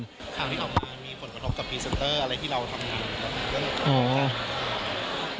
ข่าวที่ออกมามีผลกระทบกับพรีเซนเตอร์อะไรที่เราทำงาน